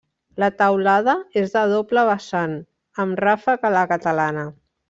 La teulada és de doble vessant, amb ràfec a la catalana.